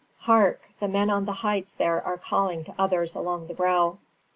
Hark, the men on the heights there are calling to others along the brow."